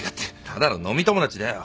ただの飲み友達だよ。